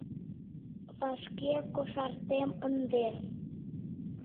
Вашке кошартем ынде...